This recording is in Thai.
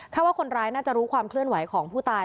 ว่าคนร้ายน่าจะรู้ความเคลื่อนไหวของผู้ตาย